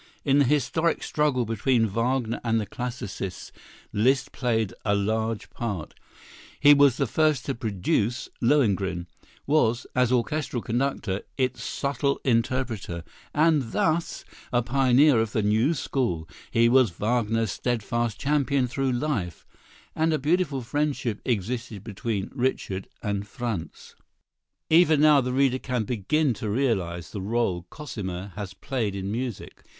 In the historic struggle between Wagner and the classicists Liszt played a large part. He was the first to produce "Lohengrin"—was, as orchestral conductor, its subtle interpreter, and, thus, a pioneer of the new school; he was Wagner's steadfast champion through life, and a beautiful friendship existed between "Richard" and "Franz." [Illustration: Richard Wagner. From the original lithograph of the Egusquiza portrait.] Even now the reader can begin to realize the rôle Cosima has played in music.